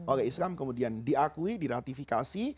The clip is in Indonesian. oleh islam kemudian diakui diratifikasi